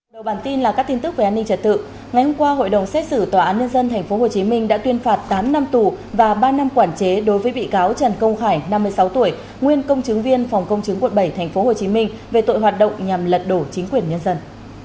đầu bản tin là các tin tức về an ninh trật tự ngày hôm qua hội đồng xét xử tòa án nhân dân tp hcm đã tuyên phạt tám năm tù và ba năm quản chế đối với bị cáo trần công khải năm mươi sáu tuổi nguyên công chứng viên phòng công chứng quận bảy tp hcm về tội hoạt động nhằm lật đổ chính quyền nhân dân